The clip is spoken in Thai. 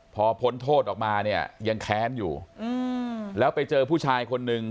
พอพ้นโทษออกมาเนี่ยยังแค้นอยู่แล้วไปเจอผู้ชายคนนึง